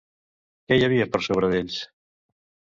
Què hi havia per sobre d'ells?